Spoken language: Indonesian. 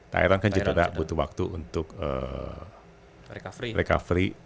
tayran kan cedera butuh waktu untuk recovery